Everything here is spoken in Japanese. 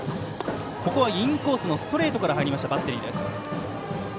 インコースのストレートから入りましたバッテリーです。